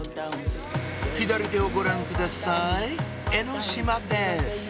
左手をご覧ください江ノ島です！